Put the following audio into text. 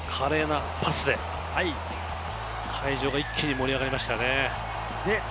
華麗なパスで会場が一気に盛り上がりましたね。